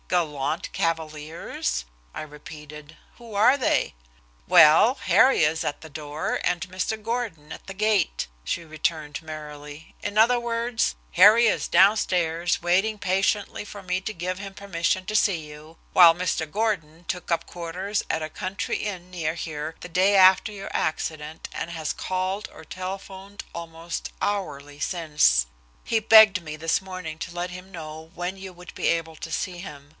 "Gallant cavaliers?" I repeated. "Who are they?" "Well, Harry is at the door, and Mr. Gordon at the gate," she returned merrily. "In other words, Harry is downstairs, waiting patiently for me to give him permission to see you, while Mr. Gordon took up quarters at a country inn near here the day after your accident and has called or telephoned almost hourly since. He begged me this morning to let him know when you would be able to see him.